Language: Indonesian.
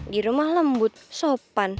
di rumah lembut sopan